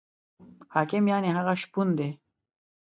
حاکم یعنې هغه شپون دی.